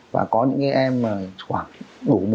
và có những em khoảng